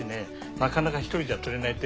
なかなか１人じゃ釣れないって